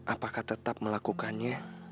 apakah tetap melakukannya